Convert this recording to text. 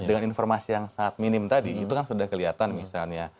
dengan informasi yang sangat minim tadi itu kan sudah kelihatan misalnya